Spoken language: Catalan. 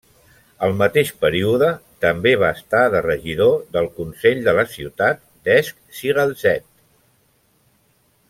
Al mateix període també va estar de regidor del consell de la ciutat d'Esch-sur-Alzette.